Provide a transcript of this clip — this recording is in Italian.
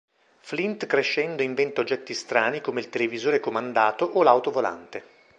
Flint crescendo inventa oggetti strani come il televisore comandato o l'auto volante.